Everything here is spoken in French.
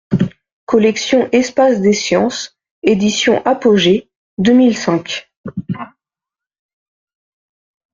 Collection Espace des sciences, Éditions Apogée, deux mille cinq.